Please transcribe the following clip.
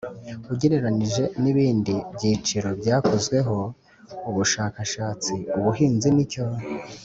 Ugereranije n ibindi byiciro byakozweho ubushakashatsi ubuhinzi nicyo